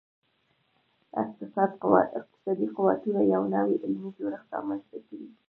اقتصادي قوتونو یو نوی علمي جوړښت رامنځته کړي.